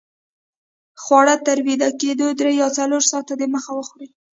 خواړه تر ویده کېدو درې یا څلور ساته دمخه وخورئ